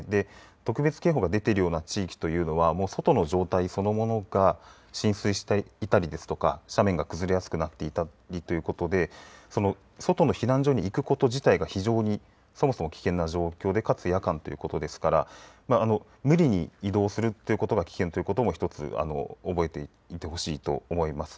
特別警報が出ているような地域というのは外の状態、そのものが浸水していたりですとか斜面が崩れやすくなっていたりということで外の避難所に行くこと自体が非常にそもそも危険な状況でかつ夜間ということですから無理に移動するということが危険ということも、ひとつ覚えていてほしいと思います。